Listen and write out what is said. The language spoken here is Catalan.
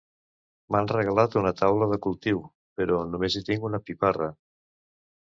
M'han regalat una taula de cultiu però només hi tinc una piparra